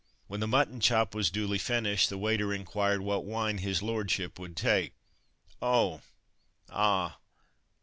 When the mutton chop was duly finished, the waiter inquired what wine his "lordship" would take. "Oh! ah!